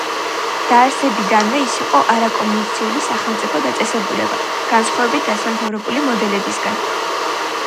დაარსებიდანვე ის იყო არაკომერციული სახელმწიფო დაწესებულება, განსხვავებით დასავლეთევროპული მოდელებისგან.